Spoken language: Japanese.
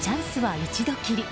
チャンスは一度きり。